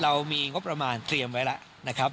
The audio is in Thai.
เรามีงบประมาณเตรียมไว้แล้วนะครับ